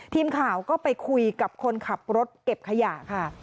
ทีมข่าวก็ไปคุยกับคนขับรถเก็บขยะค่ะ